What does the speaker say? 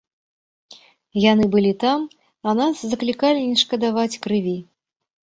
Яны былі там, а нас заклікалі не шкадаваць крыві.